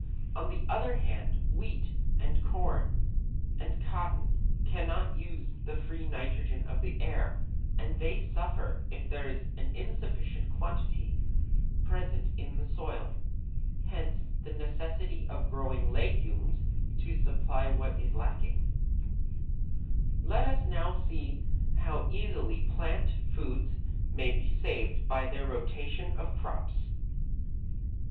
On the other hand wheat and corn and cotton cannot use the free nitrogen of the air, and they suffer if there is an insufficient quantity present in the soil; hence the necessity of growing legumes to supply what is lacking. [Illustration: FIG. 26. COWPEAS AND CORN AUGUST] Let us now see how easily plant food may be saved by the rotation of crops.